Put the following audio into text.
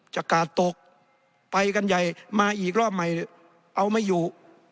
กาดตกไปกันใหญ่มาอีกรอบใหม่เอาไม่อยู่